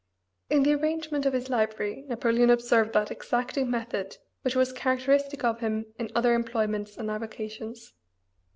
In the arrangement of his library Napoleon observed that exacting method which was characteristic of him in other employments and avocations.